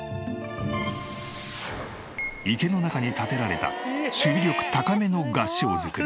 池の中に建てられた守備力高めの合掌造り。